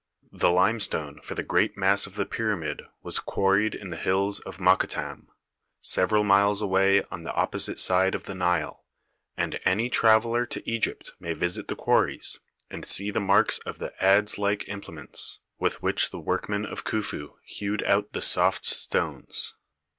The limestone for the great mass of the pyramid was quarried in the hills of Mokattam, several miles away on the opposite side of the Nile, and any traveller to Egypt may visit the quarries, and see the marks of the adze like implements with which the work men of Khufu hewed out the soft stones.